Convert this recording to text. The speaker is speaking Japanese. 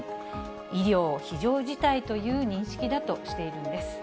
医療非常事態という認識だとしているんです。